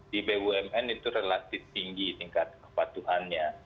di bumn itu relatif tinggi tingkat kepatuhannya